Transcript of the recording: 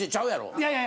いやいや。